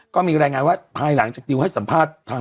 ก็มีรายงานว่าภายหลังจากดิวให้สัมภาษณ์ทาง